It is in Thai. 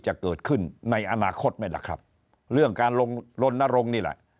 จะเกิดขึ้นในอนาคตไหมล่ะครับเรื่องการลงลนรงค์นี่แหละ